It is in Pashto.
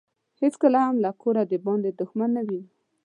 هیڅکله هم له کوره دباندې دښمن نه وينو.